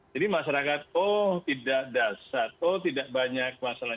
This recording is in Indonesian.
jadi masyarakat oh tidak dasar oh tidak banyak masalah